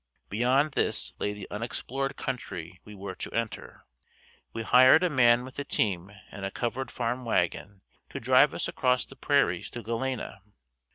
Beyond this lay the unexplored country we were to enter. We hired a man with a team and a covered farm wagon to drive us across the prairies to Galena.